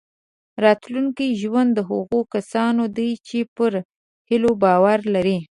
راتلونکی ژوند د هغو کسانو دی چې پر هیلو باور لري.